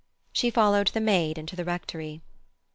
She followed the maid into the Rectory.